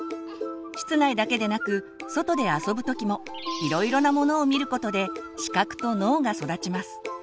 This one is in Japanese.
室内だけでなく外で遊ぶ時もいろいろなものを見ることで視覚と脳が育ちます。